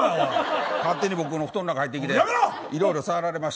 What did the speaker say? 勝手に僕の布団の中入ってきていろいろ触られました。